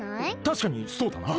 たしかにそうだな。